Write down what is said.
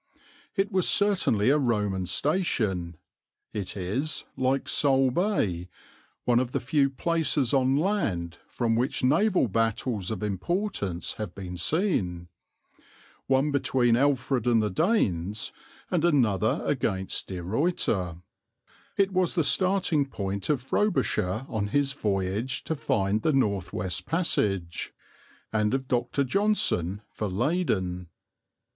It was certainly a Roman station, it is, like Sole Bay, one of the few places on land from which naval battles of importance have been seen one between Alfred and the Danes, and another against De Ruyter; it was the starting point of Frobisher on his voyage to find the North West Passage, and of Dr. Johnson for Leyden.